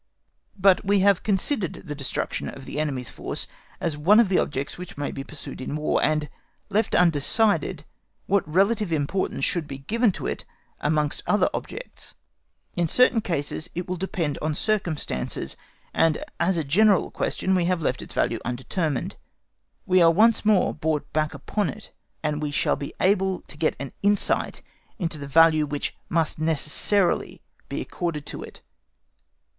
But we have considered the destruction of the enemy's force as one of the objects which maybe pursued in War, and left undecided what relative importance should be given to it amongst other objects. In certain cases it will depend on circumstances, and as a general question we have left its value undetermined. We are once more brought back upon it, and we shall be able to get an insight into the value which must necessarily be accorded to it.